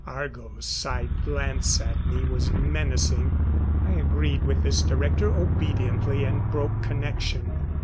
Argo's side glance at me was menacing. I agreed with this director obediently and broke connection.